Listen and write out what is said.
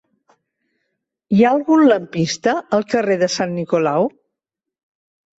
Hi ha algun lampista al carrer de Sant Nicolau?